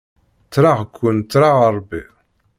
Ttreɣ-ken ttreɣ Ṛebbi.